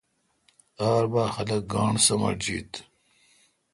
ار بھا خلق گاݨڈ سمٹ جیت۔